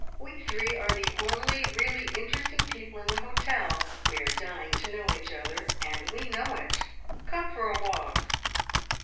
We three are the only really interesting people in the hotel; we are dying to know each other and we know it! Come for a walk!"